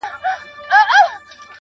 دا خو رښتيا خبره.